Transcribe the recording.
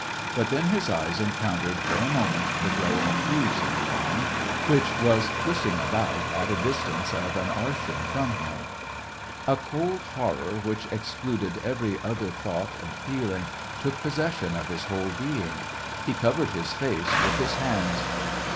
But then his eyes encountered for a mo ment the glowing fuse of the bomb, which was twisting about at a distance of an arshin from him. A cold horror, which excluded every other lOO SEVASTOPOL IN MAY. thought and feeling, took possession of his whole being. He covered his face with his hands.